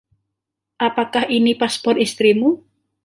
Apakah ini paspor istrimu?